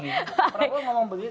pak wibu rahman ngomong begitu